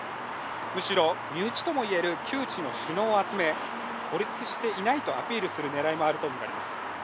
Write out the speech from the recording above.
むしろ、身内とも言える旧知の首脳を集め孤立していないとアピールする狙いもあるとみられます。